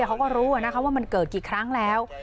เขาก็รู้ว่ามันเกิดกี่ครั้งแล้ว